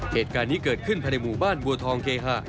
เหตุการณ์นี้เกิดขึ้นภายในหมู่บ้านบัวทองเคหะ